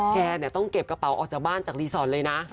แกต้องเก็บกระเป๋าออกจากบ้านจากรีสอร์ทเลยนะ